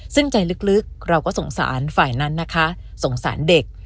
ซึ่งใจลึกเราก็สงสารฝ่ายนั้นนะคะสงสารเด็ก